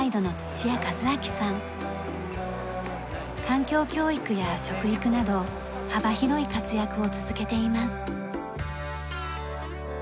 環境教育や食育など幅広い活躍を続けています。